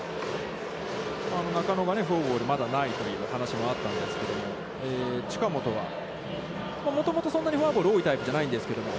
中野がフォアボールが、まだないという話もあったんですけれども、近本は、もともとそんなにフォアボールが多いほうじゃないんですけれども。